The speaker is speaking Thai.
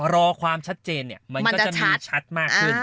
รอความชัดเจนเนี่ยมันก็จะมีชัดมากขึ้น